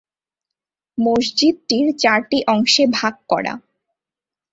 মসজিদটির চারটি অংশে ভাগ করা।